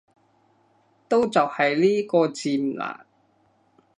都就係呢個字唔難